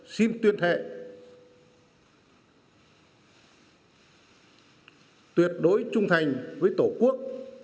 xin tuyên thệ tuyệt đối trung thành với tổ quốc